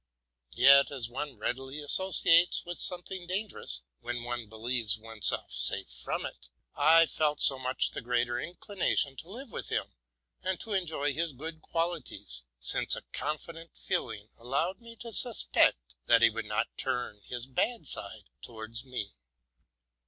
Yet, as one readily. associates with something dan gerous when one believes one's self safe from it, I felt so much the greater inclination to live with him, and to enjoy his good qualities, since a confident feeling allowed me to suspect that he would not turn his bad side towards me.